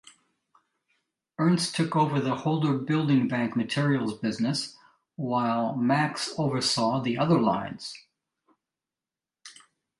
Ernst took over the Holderbank building materials business, while Max oversaw the other lines.